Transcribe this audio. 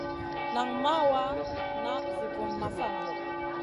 Nan wawa ŋa zi vun masana.